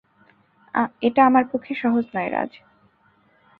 এটা আমার পক্ষে সহজ নয়, রাজ।